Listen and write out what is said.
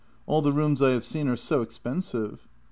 All the rooms I have seen are so expensive."